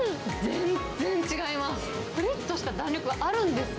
全然違います。